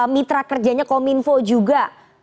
mitra kerjanya kominfo juga